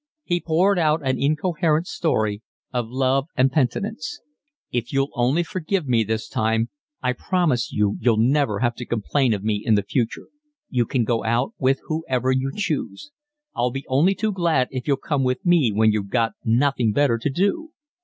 He poured out an incoherent story of love and penitence. "If you'll only forgive me this time I promise you you'll never have to complain of me in future. You can go out with whoever you choose. I'll be only too glad if you'll come with me when you've got nothing better to do."